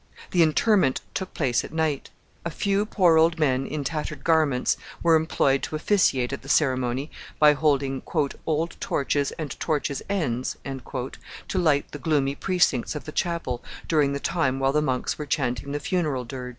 The interment took place at night. A few poor old men, in tattered garments, were employed to officiate at the ceremony by holding "old torches and torches' ends" to light the gloomy precincts of the chapel during the time while the monks were chanting the funeral dirge.